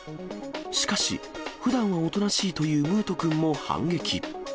しかし、ふだんはおとなしいというムート君も反撃。